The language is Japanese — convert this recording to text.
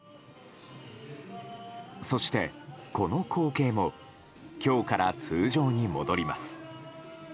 そしてこの光景も今日から通常に戻ります。